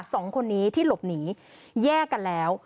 สองคนนี้ที่หลบหนีแยกกันแล้ว